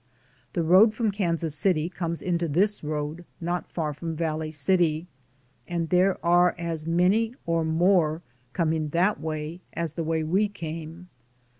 The road from Kansas City comes into this road not far from Valley City, and there are as many, or more, com ing that way as the way we came.